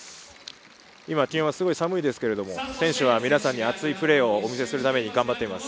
今、寒いですけど、選手の皆さんに熱いプレーをお見せするために頑張っています。